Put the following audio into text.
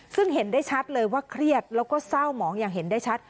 ซึ่งเห็นได้ชัดเลยว่าเครียดแล้วก็เศร้าหมองอย่างเห็นได้ชัด